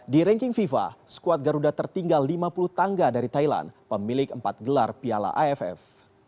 di ranking fifa skuad garuda tertinggal lima puluh tangga dari thailand pemilik empat gelar piala aff